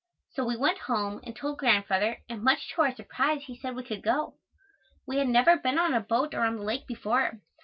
So we went home and told Grandfather and much to our surprise he said we could go. We had never been on a boat or on the lake before.